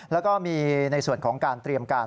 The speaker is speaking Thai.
แล้วก็มีในส่วนของการเตรียมการ